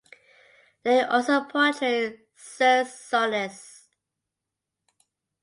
Day also portrayed Circe Sionis.